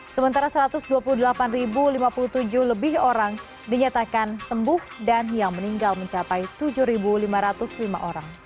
sementara satu ratus dua puluh delapan lima puluh tujuh lebih orang dinyatakan sembuh dan yang meninggal mencapai tujuh lima ratus lima orang